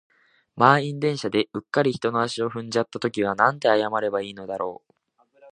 満員電車で、うっかり人の足を踏んじゃった時はなんて謝ればいいんだろう。